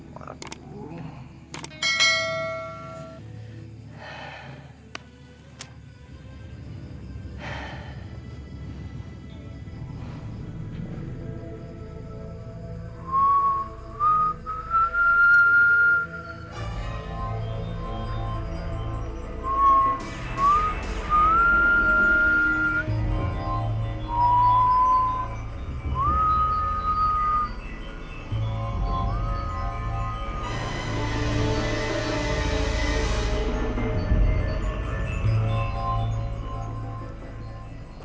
kamu teknis atau opo